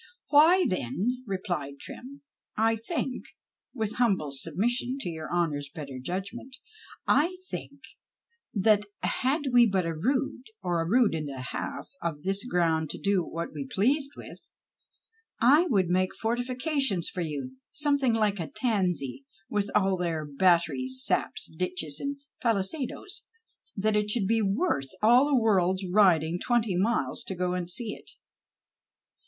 " Why then," repHcd Trim, " I think, with humble submission to your honour's better judgment, I think that had we but a rood or a rood and a half of this ground to do what we pleased witli, 1 would make fortifications for you something like a tansy, with all their bat teries, saps, ditches, und ])alisadoes, that it should be worth all the world's riding twenty miles to go and see it."